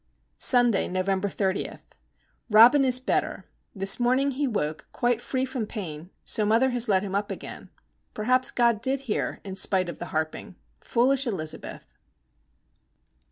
Sunday, November 30. Robin is better. This morning he woke quite free from pain, so mother has let him up again. Perhaps God did hear, in spite of the harping,—foolish Elizabeth!